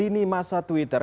ini masa twitter